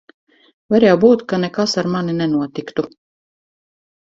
Var jau būt, ka nekas ar mani nenotiku.